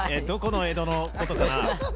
どこの「えど」のことかな？